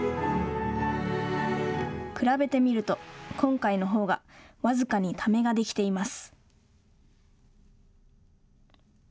比べてみると今回のほうが僅かに、ためができています。